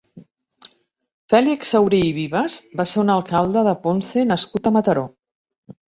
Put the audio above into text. Fèlix Saurí i Vivas va ser un alcalde de Ponce nascut a Mataró.